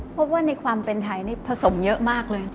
เพราะว่าในความเป็นไทยผสมเยอะมากเลย